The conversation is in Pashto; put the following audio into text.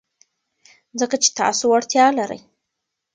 ځکه چې تاسو وړتیا لرئ.